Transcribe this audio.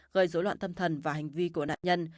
gây dối loạn tâm thần và hành vi của nạn nhân